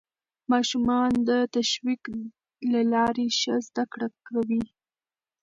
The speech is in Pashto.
ماشومان د تشویق له لارې ښه زده کړه کوي